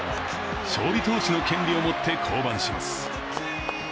勝利投手の権利を持って降板します。